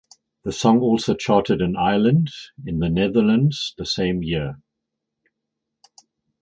The song also charted in Ireland in the Netherlands the same year.